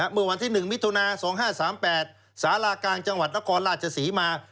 เมื่อวันที่๑มิถุนา๒๕๓๘สารากลางจังหวัดนครราชศรีมา